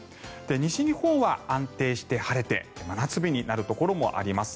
西日本は安定して晴れて真夏日になるところもあります。